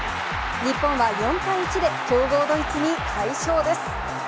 日本は４対１で強豪ドイツに快勝です。